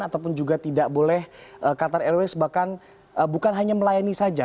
ataupun juga tidak boleh qatar airways bahkan bukan hanya melayani saja